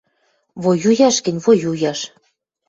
Воюяш гӹнь, воюяш!